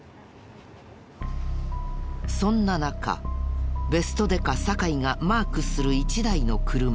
そんな中ベストデカ酒井がマークする１台の車。